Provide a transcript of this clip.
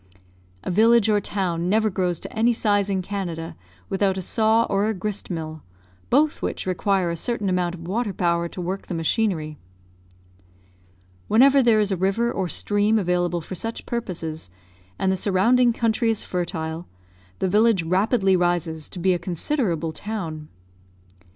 A village or town never grows to any size in Canada without a saw or a grist mill, both which require a certain amount of water power to work the machinery. Whenever there is a river or stream available for such purposes, and the surrounding country is fertile, the village rapidly rises to be a considerable town.